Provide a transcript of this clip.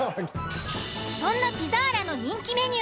そんな「ピザーラ」の人気メニュー